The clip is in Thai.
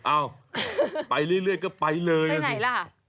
อ้าวไปเรื่อยก็ไปเลยนะสิไปไหนล่ะ